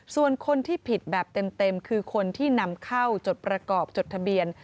ส่วนคนที่ผิดแบบเต็มคือคนที่นำเข้าจดประกอบจดทะเบียน